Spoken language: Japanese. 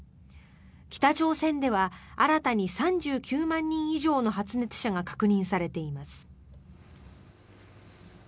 北朝鮮では新たに３９万人以上の発熱者が確認されています。